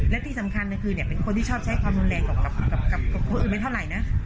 และที่สำคัญก็คือเป็นคนที่ชอบใช้ความรุนแรงกับคนอื่นไม่เท่าไหร่นะ